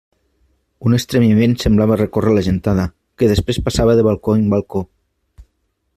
Un estremiment semblava recórrer la gentada, que després passava de balcó en balcó.